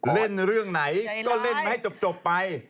เล่นเรื่องไหนก็เล่นมาให้จบไป